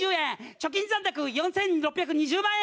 貯金残高４６２０万円。